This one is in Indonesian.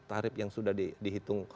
tarif yang sudah dihitung